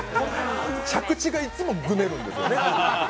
着地がいつもぐねるんですよね。